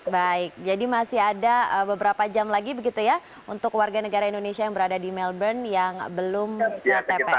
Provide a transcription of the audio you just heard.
baik jadi masih ada beberapa jam lagi begitu ya untuk warga negara indonesia yang berada di melbourne yang belum ke tps